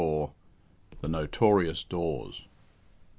"THE NOTORIOUS DAWES."